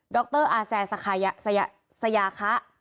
ดรอาแซร์สะขายะสยาคะ